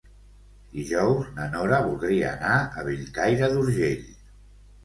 Dijous na Nora voldria anar a Bellcaire d'Urgell.